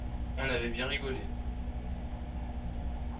On avait bien rigolé.